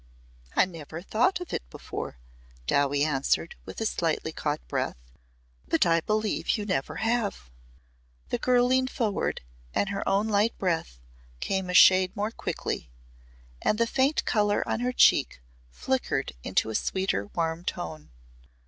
"I never thought of it before," Dowie answered with a slightly caught breath, "but I believe you never have." The girl leaned forward and her own light breath came a shade more quickly, and the faint colour on her cheek flickered into a sweeter warm tone.